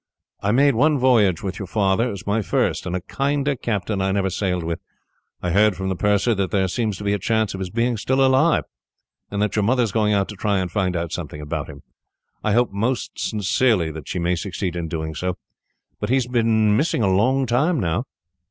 "I made one voyage with your father. It was my first, and a kinder captain I never sailed with. I heard, from the purser, that there seems to be a chance of his being still alive, and that your mother is going out to try and find out something about him. I hope, most sincerely, that she may succeed in doing so; but he has been missing a long time now.